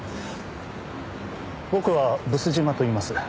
僕は毒島といいます。